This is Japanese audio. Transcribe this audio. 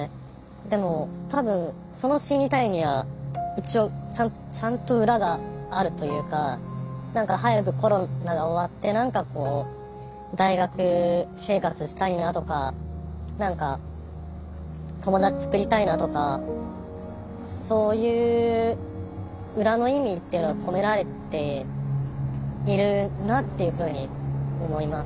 でも多分その「死にたい」には一応ちゃんと裏があるというか早くコロナが終わって何かこう大学生活したいなとか何か友達つくりたいなとかそういう裏の意味っていうのが込められているなっていうふうに思います。